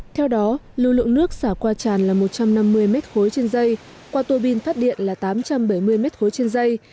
theo đó lưu lượng nước xả qua tràn là một trăm năm mươi m ba trên dây qua tua bin phát điện là tám trăm bảy mươi m ba trên dây